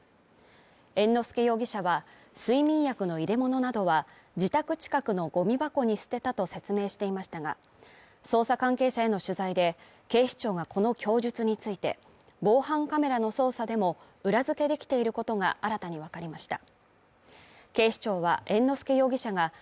猿之助容疑者は睡眠薬の入れ物などは自宅近くのゴミ箱に捨てたと説明していましたが、捜査関係者への取材で、警視庁がこの供述について、防犯カメラの捜査でも裏付けできていることが新たにわかりました。